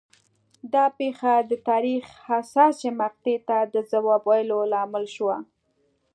دا پېښه د تاریخ حساسې مقطعې ته د ځواب ویلو لامل شوه